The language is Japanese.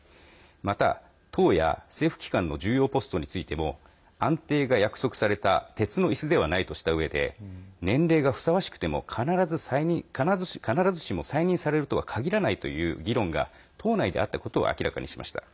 また、党や政府機関の重要ポストについても安定が約束された鉄の椅子ではないとしたうえで年齢がふさわしくても必ずしも再任されるとは限らないという議論が党内であったことを明らかにしました。